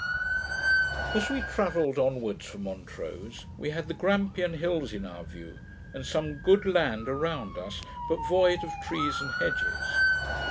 As we travelled onwards from Montrose, we had the Grampion hills in our view, and some good land around us, but void of trees and hedges.